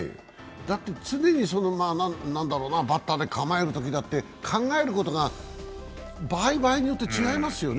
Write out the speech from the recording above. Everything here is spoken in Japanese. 常にバッターで構えるときだって、考えることが、場合場合によって違いますよね。